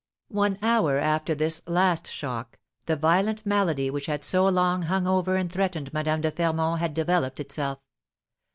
One hour after this last shock, the violent malady which had so long hung over and threatened Madame de Fermont had developed itself.